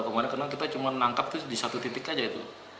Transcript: kemarin kita cuma menangkap di satu titik aja itu